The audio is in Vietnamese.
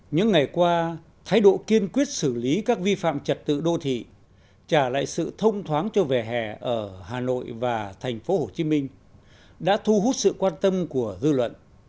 những ngày qua thái độ kiên quyết xử lý các vi phạm trật tự đô thị trả lại sự thông thoáng cho về hè ở hà nội và tp hcm đã thu hút sự quan tâm của dư luận